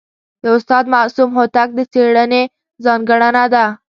د استاد معصوم هوتک د څېړني ځانګړنه ده.